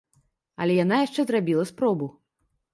Але яна яшчэ зрабіла спробу.